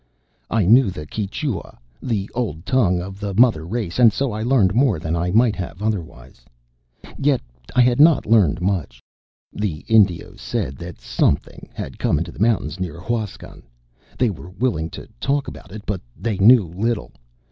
I knew the Quichua the old tongue of the mother race and so I learned more than I might have otherwise. Yet I had not learned much. The Indios said that something had come into the mountains near Huascan. They were willing to talk about it, but they knew little.